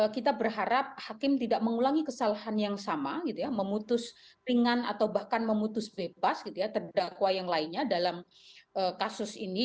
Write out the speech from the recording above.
kita berharap hakim tidak mengulangi kesalahan yang sama gitu ya memutus ringan atau bahkan memutus bebas terdakwa yang lainnya dalam kasus ini